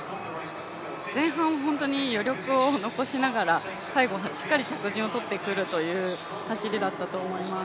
前半は本当に余力を残しながら最後は着順をとってくるという走りだったと思います。